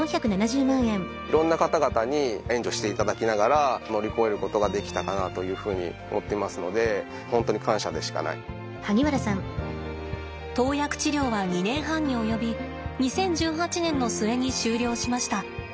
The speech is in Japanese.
いろんな方々に援助していただきながら乗り越えることができたかなというふうに思っていますので投薬治療は２年半に及び２０１８年の末に終了しました。